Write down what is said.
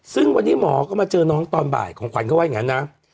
ซึ่งวันนี้หมอก็มาเจอน้องตอนบ่ายของขวัญเขาว่าอย่างนั้นนะ